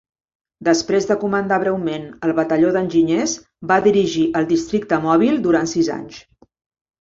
Després de comandar breument el Batalló d"enginyers, va dirigir el districte mòbil durant sis anys.